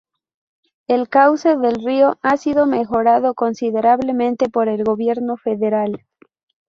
El cauce del río ha sido mejorado considerablemente por el gobierno federal.